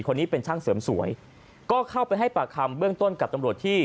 คนนี้เป็นช่างเสริมสวยก็เข้าไปให้ปากคำเบื้องต้นกับตำรวจที่